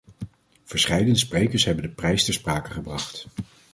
Verscheidene sprekers hebben de prijs ter sprake gebracht.